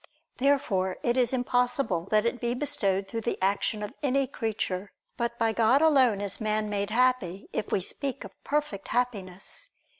Therefore it is impossible that it be bestowed through the action of any creature: but by God alone is man made happy, if we speak of perfect Happiness.